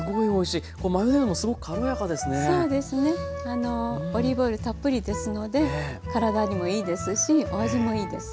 あのオリーブオイルたっぷりですので体にもいいですしお味もいいです。